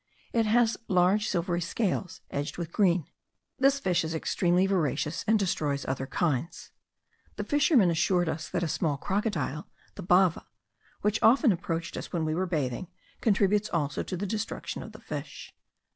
It has large silvery scales edged with green. This fish is extremely voracious, and destroys other kinds. The fishermen assured us that a small crocodile, the bava,* which often approached us when we were bathing, contributes also to the destruction of the fish.